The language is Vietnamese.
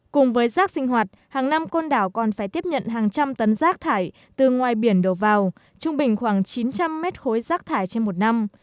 cùng với rác sinh hoạt hàng năm côn đảo còn phải tiếp nhận hàng trăm tấn rác thải từ ngoài biển đổ vào trung bình khoảng chín trăm linh mét khối rác thải trên một năm